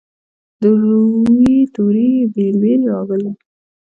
د روي توري یې بیل بیل راغلي.